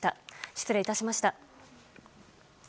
失礼いたしました。